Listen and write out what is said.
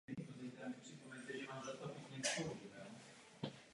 Přes svou výjimečnost a nadšení pro objevy zůstával Jindřich Mořeplavec člověkem své doby.